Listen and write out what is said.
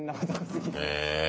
へえ。